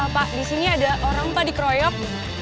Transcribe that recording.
pak di sini ada orang pak dikeroyok